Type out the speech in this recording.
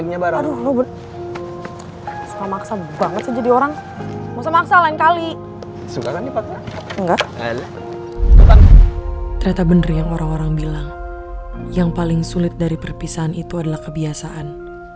ternyata bener yang orang orang bilang yang paling sulit dari perpisahan itu adalah kebiasaan